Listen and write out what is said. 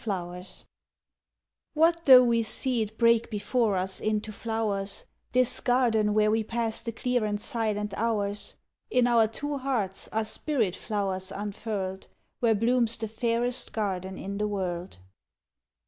II What tho' we see it break before us into flowers, This garden where we pass the clear and silent hours? In our two hearts are spirit flow'rs unfurled, Where blooms the fairest garden in the world.